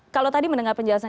kalau tadi mendengar penjelasan